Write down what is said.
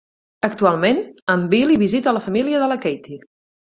Actualment, en Billy visita la família de la Katie.